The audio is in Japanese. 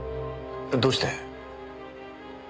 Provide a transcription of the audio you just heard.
どうして？